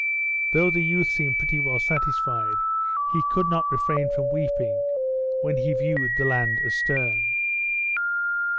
Though the youth seemed pretty well satisfied, he could not refrain from weeping when he viewed the land astern.